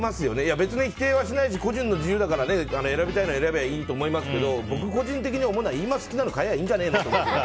別に否定はしないし個人の自由だから選びたいの選べばいいと思いますけど僕、個人的に思うのは今好きなのを買えばいいんじゃないのって。